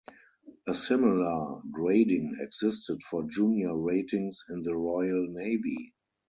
A similar grading existed for junior ratings in the Royal Navy.